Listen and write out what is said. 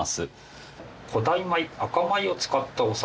古代米赤米を使ったお酒です。